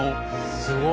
すごい。